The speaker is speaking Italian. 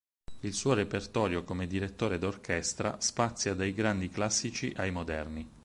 Il suo repertorio come direttore d'orchestra spazia dai grandi classici ai moderni.